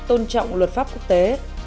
tôn trọng luật pháp quốc tế